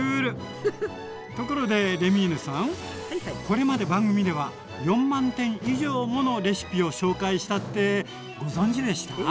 これまで番組では４万点以上ものレシピを紹介したってご存じでした？